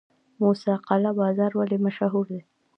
موسی قلعه بازار ولې مشهور دی؟